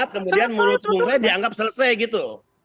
kemudian menurut bung benny dianggap selesai gitu